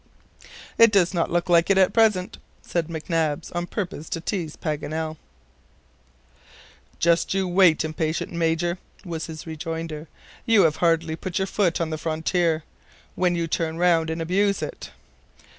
"It does not look like it at present," said McNabbs, on purpose to tease Paganel. "Just wait, impatient Major," was his rejoinder. "You have hardly put your foot on the frontier, when you turn round and abuse it.